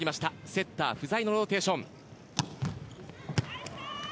セッター不在のローテーション。